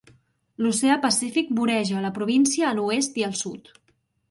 L'oceà Pacífic voreja la província a l'oest i al sud.